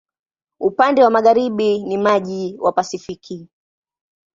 Upande wa magharibi ni maji wa Pasifiki.